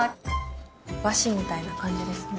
和紙みたいな感じですね。